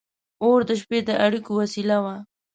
• اور د شپې د اړیکو وسیله وه.